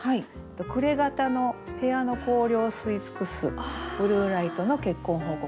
「暮れ方の部屋の光量吸い尽くすブルーライトの結婚報告」って。